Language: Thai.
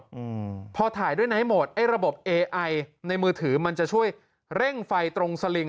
อืมพอถ่ายด้วยไนท์หมดไอ้ระบบเอไอในมือถือมันจะช่วยเร่งไฟตรงสลิง